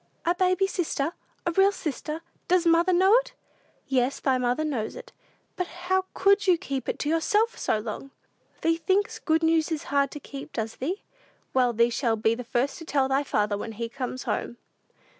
"A baby sister? A real sister? Does mother know it?" "Yes, thy mother knows it." "But how could you keep it to yourself so long?" "Thee thinks good news is hard to keep, does thee? Well, thee shall be the first to tell thy father when he comes home."